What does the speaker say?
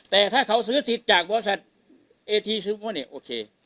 แต่ถ้าเขาซื้อสิทธิ์จากบริษัทเอทีซิโมเนี่ยโอเค